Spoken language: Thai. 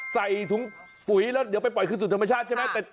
ใส่ถุงปุ๋ยแล้วเดี๋ยวไปปล่อยคืนสู่ธรรมชาติใช่ไหม